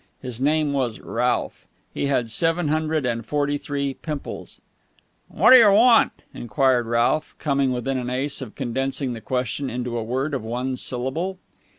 His name was Ralph. He had seven hundred and forty three pimples. "Woddyerwant?" enquired Ralph, coming within an ace of condensing the question into a word of one syllable.